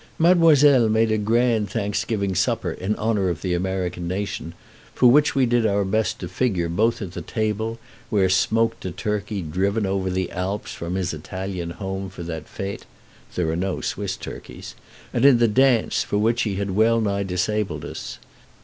Mademoiselle made a grand Thanksgiving supper in honor of the American nation, for which we did our best to figure both at the table, where smoked a turkey driven over the Alps from his Italian home for that fête (there are no Swiss turkeys), and in the dance, for which he had wellnigh disabled us.